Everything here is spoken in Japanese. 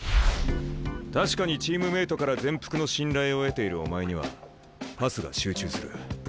確かにチームメートから全幅の信頼を得ているお前にはパスが集中する。